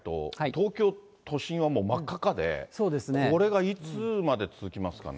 東京都心はもう真っ赤っかで、これがいつまで続きますかね。